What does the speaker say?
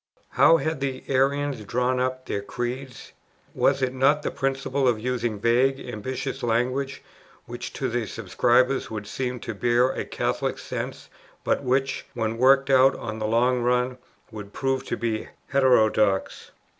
how had the Arians drawn up their Creeds? was it not on the principle of using vague ambiguous language, which to the subscribers would seem to bear a Catholic sense, but which, when worked out on the long run, would prove to be heterodox?